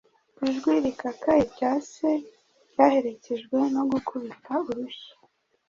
Ijwi rirakaye rya se ryaherekejwe no gukubita urushyi.